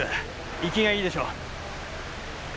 生きがいいでしょう。